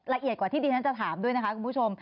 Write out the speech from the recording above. ละเอียดกว่าที่ดิฉันจะถามด้วยนะคะคุณผู้ชม